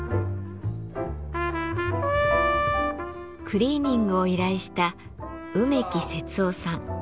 クリーニングを依頼した梅木節男さん。